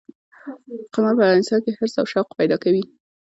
قمار په انسان کې حرص او شوق پیدا کوي.